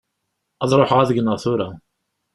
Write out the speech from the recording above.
Ad ruḥeɣ ad gneɣ tura.